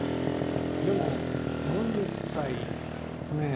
でも４０歳そうですね。